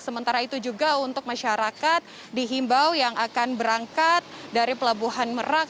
sementara itu juga untuk masyarakat dihimbau yang akan berangkat dari pelabuhan merak